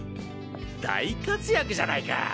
大活躍じゃないか！